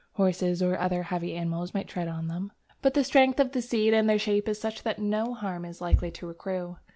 Horses or other heavy animals might tread on them. But the strength of seeds and their shape is such that no harm is likely to accrue.